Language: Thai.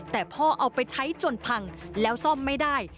แต่พ่อเอาไปใช้จนพังแล้วซ่อมไม่ได้